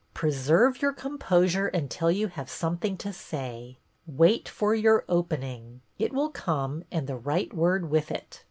" Preserve your composure until you have some thing to say. Wait for your opening ; it will come and the right word with it.